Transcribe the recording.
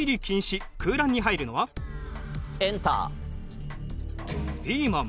エンター。